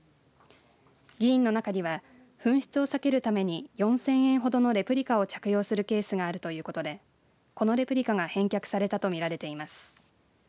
議員の中には紛失を避けるために４０００円ほどのレプリカを着用するケースがあるということでこのレプリカが返却されたと見られています。